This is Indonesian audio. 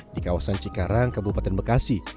di kawasan cikarang kabupaten bekasi